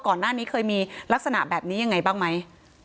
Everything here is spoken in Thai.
ก่อนหน้านี้เคยมีลักษณะแบบนี้ยังไงบ้างไหม